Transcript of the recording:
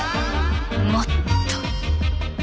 もっと。